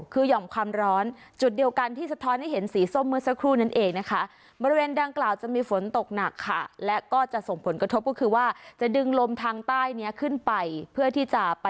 คือหย่อมความร้อนจุดเหนือกันที่สะท้อน